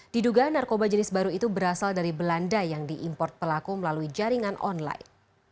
diduga narkoba jenis baru itu berasal dari belanda yang diimport pelaku melalui jaringan online